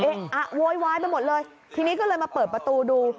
อ่ะโวยวายไปหมดเลยทีนี้ก็เลยมาเปิดประตูดู